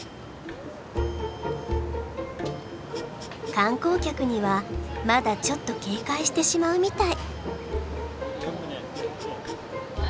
観光客にはまだちょっと警戒してしまうみたい。